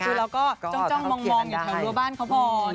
คือเราก็จ้องมองอยู่แถวรั้วบ้านเขาก่อน